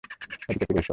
এদিকে ফিরে এসো!